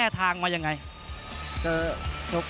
นักมวยจอมคำหวังเว่เลยนะครับ